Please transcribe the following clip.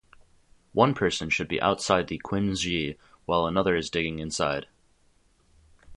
One person should be outside the quinzhee while another is digging inside.